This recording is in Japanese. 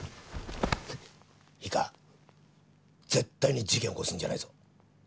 いいか絶対に事件を起こすんじゃないぞ。